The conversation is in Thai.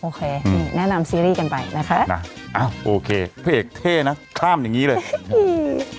โอเคอืมแนะนำซีรีส์กันไปนะคะน่ะอ้าวโอเคพระเอกเท่นะข้ามอย่างงี้เลยอืม